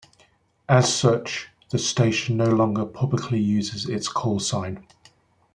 As such, the station no longer publicly uses its callsign.